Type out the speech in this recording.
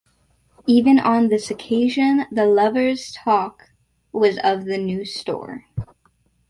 Even on this occasion the lovers' talk was of the new store.